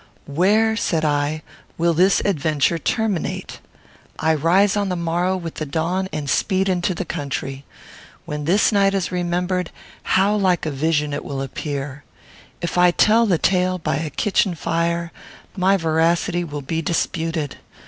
"Where," said I, "will this adventure terminate? I rise on the morrow with the dawn and speed into the country. When this night is remembered, how like a vision will it appear! If I tell the tale by a kitchen fire, my veracity will be disputed.